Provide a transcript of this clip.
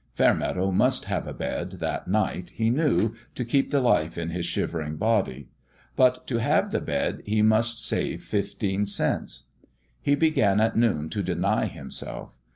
Fairmeadow must have a bed, that night, he knew, to keep the life in his shivering body ; but to have the bed he must save fifteen cents. He began at noon to deny himself.